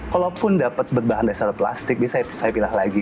kalaupun dapat berbahan dasar plastik bisa saya pindah lagi